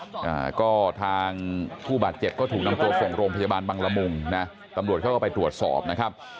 อ่าก็ทางผู้บาดเจ็บก็ถูกนำตัวส่งโรงพยาบาลบังละมุงนะตำรวจเขาก็ไปตรวจสอบนะครับ